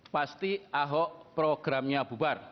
pasti ahok programnya bubar